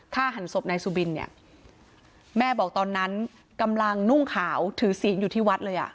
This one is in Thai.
หันศพนายสุบินเนี่ยแม่บอกตอนนั้นกำลังนุ่งขาวถือศีลอยู่ที่วัดเลยอ่ะ